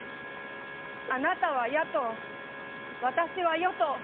あなたは野党私は与党。